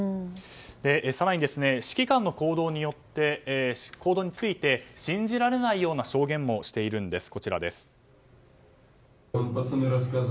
更に、指揮官の行動について信じられないような証言もしているんです。